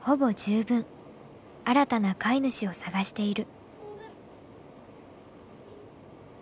新たな飼い主を探している。